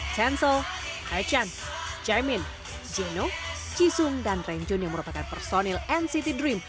tencel haechan jaemin jeno jisung dan renjun yang merupakan personil nct dream